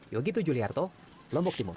yogi tujuliarto lombok timur